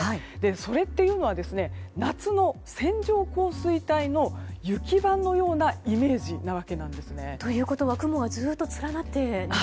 それっていうのは夏の線状降水帯の雪版のようなイメージなわけなんですね。ということは雲がずっと連なっていると。